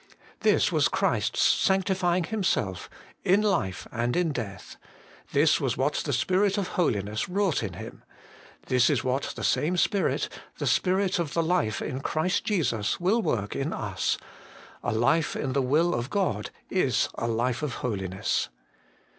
This was Christ's sanctifying Him self, in life and in death ; this was what the Spirit of holiness wrought in Him ; this is what the same Spirit, the Spirit of the life in Christ Jesus, will work in us : a life in the will of God is a life of holiness.